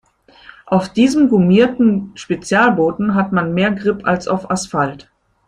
Auf diesem gummierten Spezialboden hat man mehr Grip als auf Asphalt.